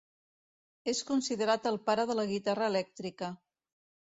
És considerat el pare de la guitarra elèctrica.